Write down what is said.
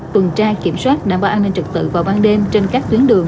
tuần tra kiểm soát đảm bảo an ninh trực tự vào ban đêm trên các tuyến đường